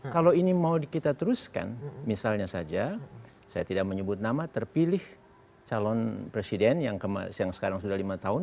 kalau ini mau kita teruskan misalnya saja saya tidak menyebut nama terpilih calon presiden yang sekarang sudah lima tahun